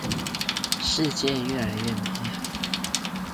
世界越來越美好